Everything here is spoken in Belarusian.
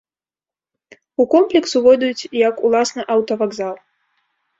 У комплекс увойдуць як уласна аўтавакзал.